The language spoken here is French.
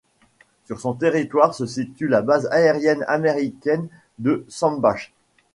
Sur son territoire se situe la base aérienne américaine de Sembach.